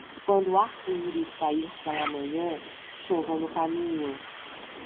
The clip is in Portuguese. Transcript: Quando o arco-íris sair pela manhã, chova no caminho.